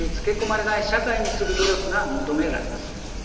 れない社会になる努力が求められます。